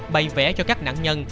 bày vẽ cho các nạn nhân